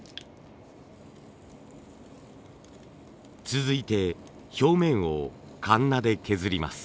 続いて表面をかんなで削ります。